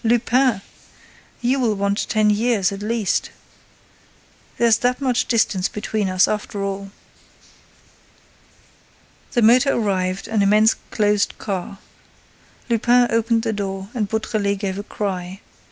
Lupin! You will want ten years, at least! There's that much distance between us, after all!" The motor arrived, an immense closed car. Lupin opened the door and Beautrelet gave a cry.